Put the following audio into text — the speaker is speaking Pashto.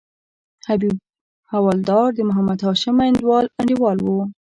حبیب حوالدار د محمد هاشم میوندوال انډیوال وو.